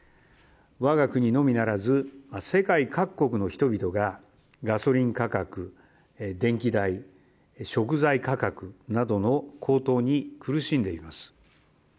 我が国のみならず世界各国の人々がガソリン価格、電気代、食材価格などの高騰に苦しんでいます。